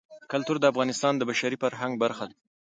کلتور د افغانستان د بشري فرهنګ برخه ده.